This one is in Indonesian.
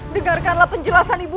dengarkanlah penjelasan ibu